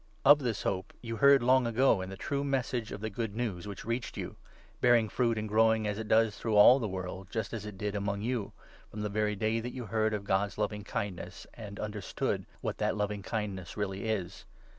Of this hope you heard long ago in the true Message of the Good News which reached you — bearing fruit and growing, as it 6 does, through all the world, just as it did among you, from the very day that you heard of God's loving kindness, and under stood what that loving kindness really is.